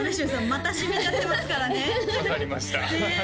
また染みちゃってますからね刺さりましたねえ